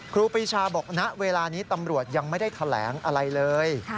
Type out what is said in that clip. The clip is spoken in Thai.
ครูปีชาบอกณเวลานี้ตำรวจยังไม่ได้แถลงอะไรเลย